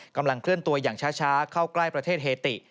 กำลังเคลื่อนตัวอย่างช้าเข้าใกล้ประเทศเฮติ